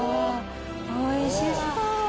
おいしそう！